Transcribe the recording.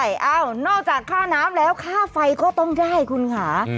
ใช่อ้าวนอกจากค่าน้ำแล้วค่าไฟก็ต้องได้คุณค่ะ